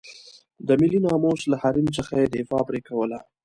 د ملي ناموس له حریم څخه یې دفاع پرې کوله.